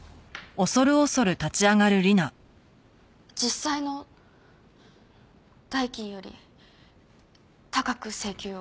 実際の代金より高く請求を。